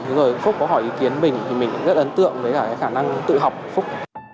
rồi phúc có hỏi ý kiến mình thì mình cũng rất ấn tượng với cả cái khả năng tự học phúc